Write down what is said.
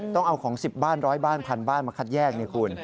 ต้องเอาของสิบบ้านร้อยบ้านพันบ้านมาคัดแยกในคุณ